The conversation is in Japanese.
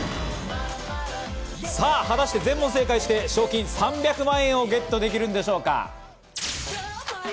果たして全問正解して賞金３００万円をゲットできるんでしょうか？